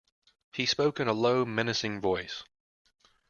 He spoke in a low, menacing voice.